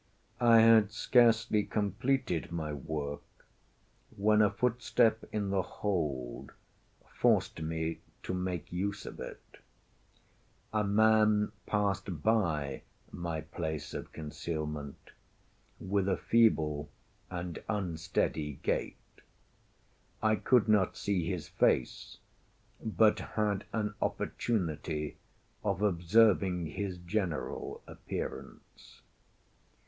I had scarcely completed my work, when a footstep in the hold forced me to make use of it. A man passed by my place of concealment with a feeble and unsteady gait. I could not see his face, but had an opportunity of observing his general appearance.